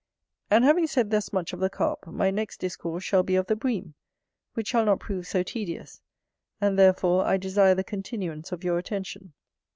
And having said thus much of the Carp, my next discourse shall be of the Bream, which shall not prove so tedious; and therefore I desire the continuance of your attention.